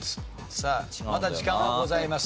さあまだ時間はございます。